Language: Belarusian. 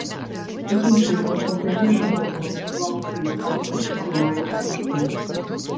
Такім чынам, пасля першага тура беларусы і іспанцы не маюць ачкоў.